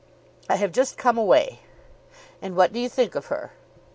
"I have just come away." "And what do you think of her?"